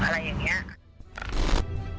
อะไรอย่างนี้